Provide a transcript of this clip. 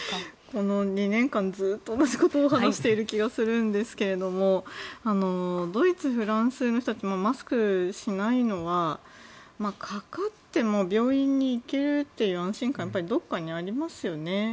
この２年間ずっと同じことを話している気がするんですけどもドイツ、フランスの人たちもマスクしないのはかかっても病院に行けるという安心感がどこかにありますよね。